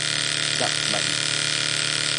佚名